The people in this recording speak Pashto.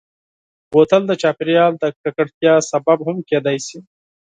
بوتل د چاپېریال د ککړتیا سبب هم کېدای شي.